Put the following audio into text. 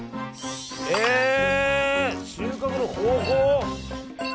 えっ収穫の方法？